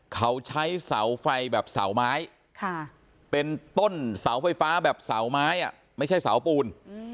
เขาใช้เสาไฟแบบเสาไม้เป็นต้นเสาไฟฟ้าแบบเสาไม้ไม่ใช่เสาปูน